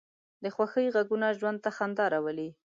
د خوښۍ غږونه ژوند ته خندا راولي